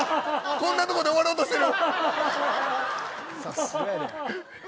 こんなところで終わろうとしてる。